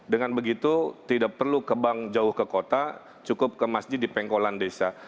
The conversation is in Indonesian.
dengan begitu tidak perlu ke bank jauh ke kota cukup ke masjid di pengkolan desa